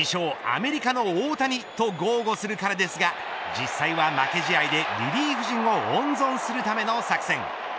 アメリカの大谷と豪語する彼ですが実際は負け試合でリリーフ陣を温存するための作戦。